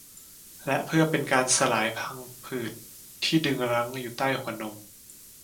และเพื่อเป็นการสลายพังผืดที่ดึงรั้งอยู่ใต้หัวนม